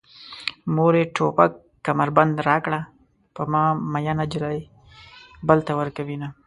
مورې توپک کمربند راکړه په ما مينه نجلۍ بل ته ورکوينه